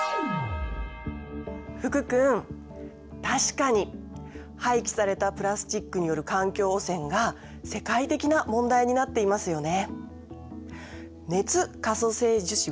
福君確かに廃棄されたプラスチックによる環境汚染が世界的な問題になっていますよね。